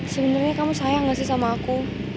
sebenarnya kamu sayang gak sih sama aku